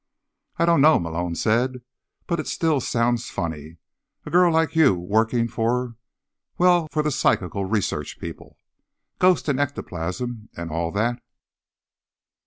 "I don't know," Malone said, "but it still sounds funny. A girl like you working for—well, for the Psychical Research people. Ghosts and ectoplasm and all that."